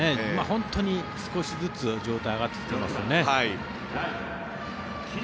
本当に少しずつ状態が上がってきていますね。